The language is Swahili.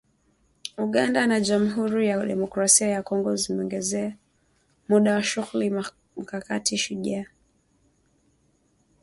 Uganda na Jamuhuri ya Demokrasia ya Kongo zimeongeza muda wa shughuli mkakati Shujaa